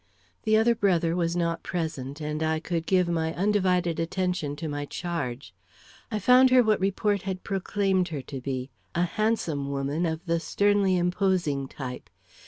The other brother was not present, and I could give my undivided attention to my charge. I found her what report had proclaimed her to be, a handsome woman of the sternly imposing type.